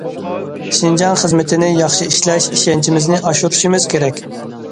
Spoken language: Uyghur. شىنجاڭ خىزمىتىنى ياخشى ئىشلەش ئىشەنچىمىزنى ئاشۇرۇشىمىز كېرەك.